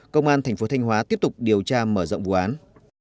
công an tp thanh hóa tiếp tục điều tra mở rộng vụ án